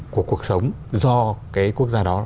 của cuộc sống do quốc gia đó